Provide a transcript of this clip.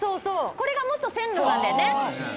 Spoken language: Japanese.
これが元線路なんだよね。